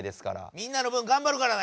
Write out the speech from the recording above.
みんなの分がんばるからね！